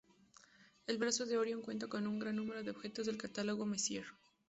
El brazo de Orión cuenta con un gran número de objetos del catálogo Messier